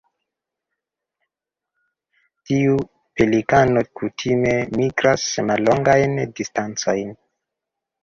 Tiu pelikano kutime migras mallongajn distancojn.